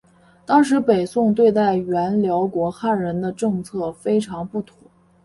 当时北宋对待原辽国汉人的政策非常不妥。